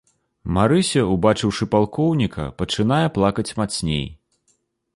Марыся, убачыўшы палкоўніка, пачынае плакаць мацней.